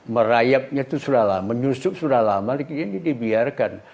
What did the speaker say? merayapnya itu sudah lama menyusup sudah lama dibiarkan